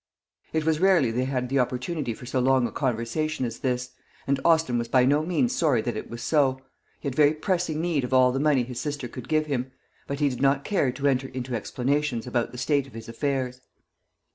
It was rarely they had the opportunity for so long a conversation as this; and Austin was by no means sorry that it was so. He had very pressing need of all the money his sister could give him; but he did not care to enter into explanations about the state of his affairs.